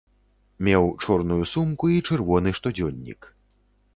Меў чорную сумку і чырвоны штодзённік.